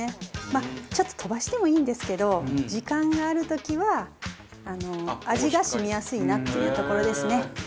まあちょっと飛ばしてもいいんですけど時間がある時は味が染みやすいなっていうところですね。